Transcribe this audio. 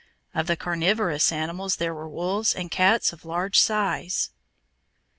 Of the carnivorous animals there were wolves and cats of large size.